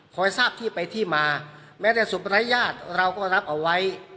ขอให้ทราบที่ไปที่มาแม้ได้สุปรัญญาตเราก็รับเอาไว้